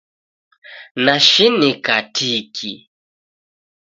Nashinika tiki